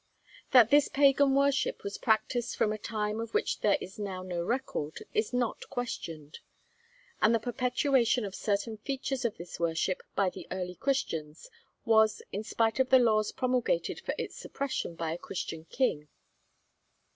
That this pagan worship was practised from a time of which there is now no record, is not questioned; and the perpetuation of certain features of this worship by the early Christians was in spite of the laws promulgated for its suppression by a Christian king.